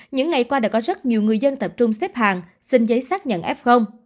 những ngày qua đã có rất nhiều người dân tập trung xếp hàng xin giấy xác nhận f